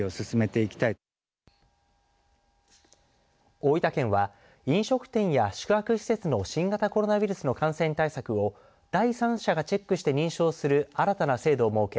大分県は飲食店や宿泊施設の新型コロナウイルスの感染対策を第三者がチェックして認証する新たな制度を設け